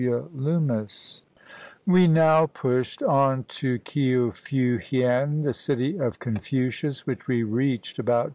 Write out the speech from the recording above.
W. LOOMIS We now pushed on to Kjo feu hien, the city of Con fucius, which we reached about 2.